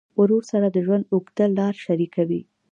ورور سره د ژوند اوږده لار شریکه وي.